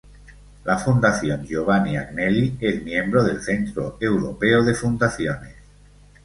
La Fundación Giovanni Agnelli es miembro del Centro Europeo de Fundaciones.